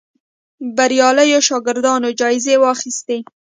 بریالیو شاګردانو جایزې واخیستې